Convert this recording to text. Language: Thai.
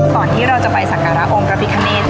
ที่เราจะไปสักการะองค์พระพิคเนธ